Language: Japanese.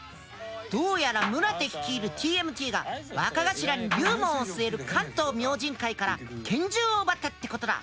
どうやら宗手率いるＴＭＴが若頭に龍門を据える関東明神会から拳銃を奪ったってことだ。